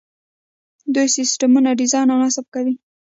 دوی سیسټمونه ډیزاین او نصب کوي.